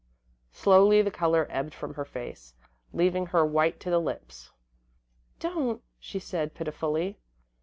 Slowly the colour ebbed from her face, leaving her white to the lips. "Don't," she said, pitifully.